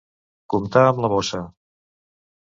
Comptar amb la bossa.